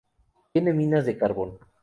Tiene minas de carbón.